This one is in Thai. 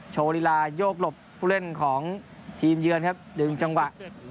โชว์ลีลายกหลบผู้เล่นของทีมเยือนครับดึงจังหวะ